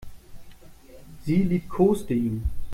Sie liebkoste ihn.